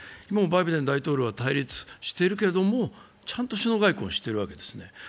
今もバイデン大統領は対立しているけれども、ちゃんと首脳外交しているわけですね。